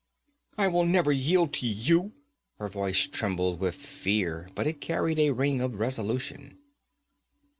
'I will never yield to you!' Her voice trembled with fear but it carried a ring of resolution.